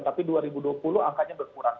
tapi dua ribu dua puluh angkanya berkurang